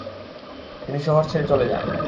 তিনি শহর ছেড়ে চলে যান।